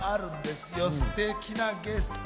すてきなゲスト。